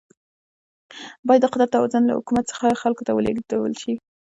باید د قدرت توازن له حکومت څخه خلکو ته ولیږدول شي.